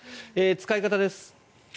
使い方です。